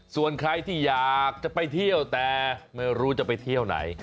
ส่วนใครที่อยากจะไปเที่ยวแต่ไม่รู้จะไปเที่ยวไหน